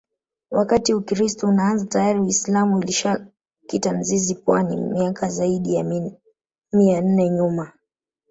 Wakati Ukiristo unaanza tayari uisilamu ulishakita mizizi pwani miaka ziaidi ya mia nne nyuma